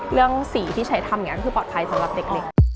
เรื่องสีที่ใช้ทำอย่างนั้นคือปลอดภัยสำหรับเด็ก